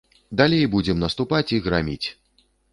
Далей будзем наступаць і граміць.